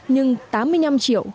nhưng tám mươi năm triệu